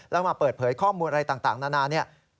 แล้วมาเปิดเผยข้อมูลอะไรต่างนานาเนี่ย